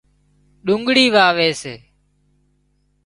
ڏوڳۯي واوي سي